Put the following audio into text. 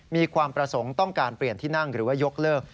มีความประสงค์ต้องการเปลี่ยนที่นั่งหรือว่ายกเลิก